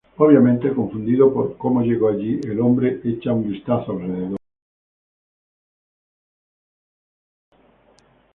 Obviamente confundido por cómo llegó allí, el hombre echa un vistazo alrededor.